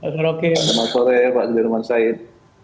selamat sore pak sudirman said